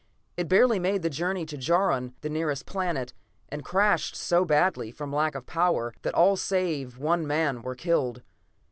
It barely made the journey to Jaron, the nearest planet, and crashed so badly, from lack of power, that all save one man were killed.